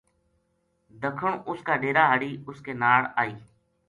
دَکھن اُس کا ڈیرا ہاڑی اُس کے ناڑ آئی